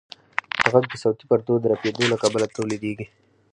غږ د صوتي پردو د رپېدو له کبله تولیدېږي.